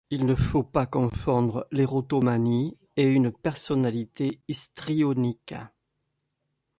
Il ne faut pas confondre l'érotomanie et une personnalité histrionique.